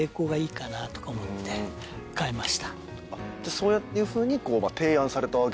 そういうふうに提案されたわけですね。